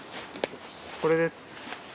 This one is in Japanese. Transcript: これです。